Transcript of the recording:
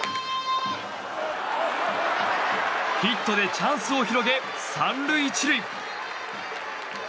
ヒットでチャンスを広げ３塁１塁。